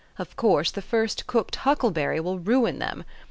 Of course, the first cooked huckleberry will ruin them.